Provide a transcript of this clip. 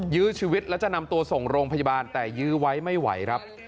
ยื้อชีวิตแล้วจะนำตัวส่งโรงพยาบาลแต่ยื้อไว้ไม่ไหวครับ